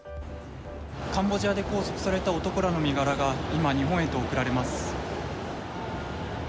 カンボジアで拘束された男らの身柄が今、日本へと送られます。